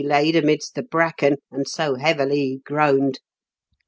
laid amidst the bracken, and so heavily he groaned.